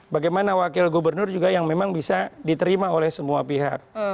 bagaimana wakil gubernur juga yang memang bisa diterima oleh semua pihak